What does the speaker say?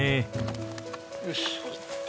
よし。